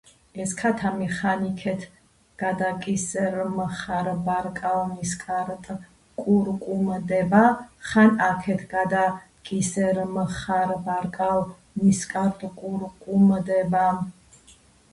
ეს ქათამი ხან იქეთ გადაკისერმხარბარკალნისკარტკურკუმდება ხან აქეთ გადაკისერმხარბარკალნისკარტკურკუმდება